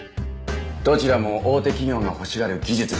どちらも大手企業が欲しがる技術でした。